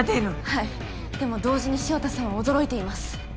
はいでも同時に潮田さんは驚いています。